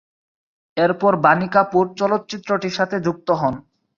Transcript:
এরপর বাণী কাপুর চলচ্চিত্রটির সাথে যুক্ত হন।